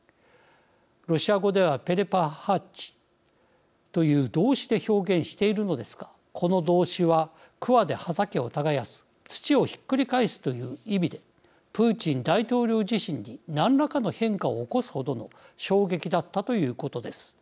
ロシア語ではペレパハチという動詞で表現しているのですがこの動詞は、くわで畑を耕す土をひっくり返すという意味でプーチン大統領自身に何らかの変化を起こすほどの衝撃だったということです。